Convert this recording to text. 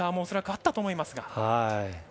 恐らくあったと思いますが。